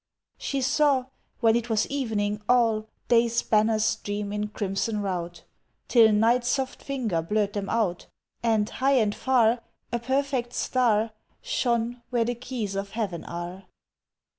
She saw, when it was evening, all Day's banners stream in crimson rout Till night's soft finger blurred them out, And, high and far, A perfect star Shone where the keys of heaven are!